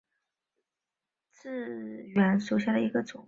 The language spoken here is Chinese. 凹籽远志为远志科远志属下的一个种。